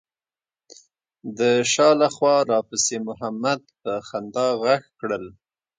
د شا له خوا راپسې محمد په خندا غږ کړل.